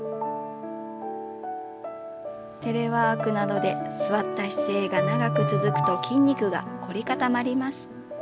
テレワークなどで座った姿勢が長く続くと筋肉が凝り固まります。